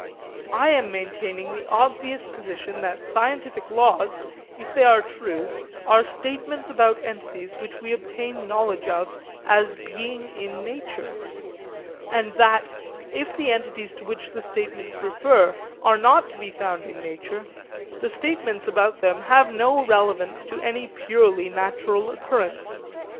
I am maintaining the obvious position that scientific laws, if they are true, are statements about entities which we obtain knowledge of as being in nature; and that, if the entities to which the statements refer are not to be found in nature, the statements about them have no relevance to any purely natural occurrence.